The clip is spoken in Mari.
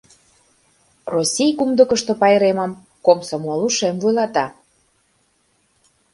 Россий кумдыкышто пайремым Комсомол ушем вуйлата.